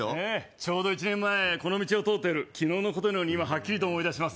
ちょうど一年前この道を通った夜昨日の事のように今はっきりと想い出します